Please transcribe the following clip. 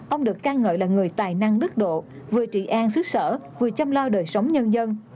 ông được ca ngợi là người tài năng đức độ vừa trị an sức sở vừa chăm lo đời sống nhân dân